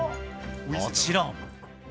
もちろん。